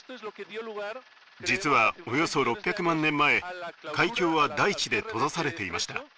実はおよそ６００万年前海峡は大地で閉ざされていました。